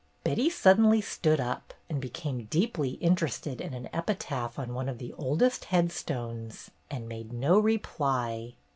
Betty suddenly stood up and became deeply interested in an epitaph on one of the oldest headstones and made no reply.